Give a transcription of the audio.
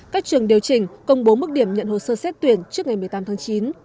các trường điều chỉnh công bố mức điểm nhận hồ sơ xét tuyển trước ngày một mươi tám tháng chín